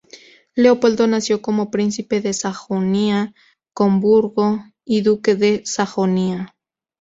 Leopoldo nació como príncipe de Sajonia-Coburgo y duque de Sajonia.